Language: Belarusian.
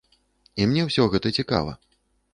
І мне ўсё гэта цікава.